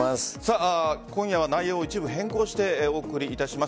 今夜内容を一部変更してお送りいたします。